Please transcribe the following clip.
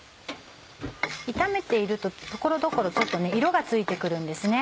炒めていると所々ちょっと色がついて来るんですね。